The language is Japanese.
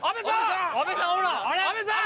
阿部さん！